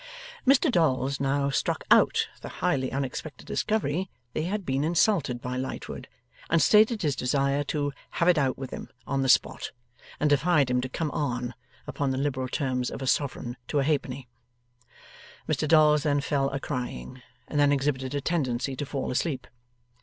Mr Dolls now struck out the highly unexpected discovery that he had been insulted by Lightwood, and stated his desire to 'have it out with him' on the spot, and defied him to come on, upon the liberal terms of a sovereign to a halfpenny. Mr Dolls then fell a crying, and then exhibited a tendency to fall asleep.